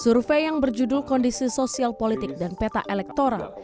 survei yang berjudul kondisi sosial politik dan peta elektoral